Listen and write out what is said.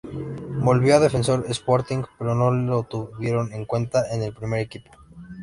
Volvió a Defensor Sporting pero no lo tuvieron en cuenta en el primer equipo.